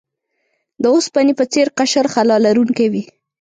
د اوسپنې په څیر قشر خلا لرونکی وي.